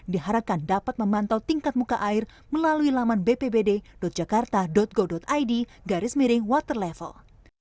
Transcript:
diharapkan dapat memantau tingkat muka air melalui laman bpbd jakarta go id garis miring water level